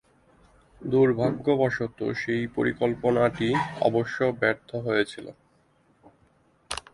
দুর্ভাগ্যবশত সেই পরিকল্পনাটি অবশ্য ব্যর্থ হয়েছিল।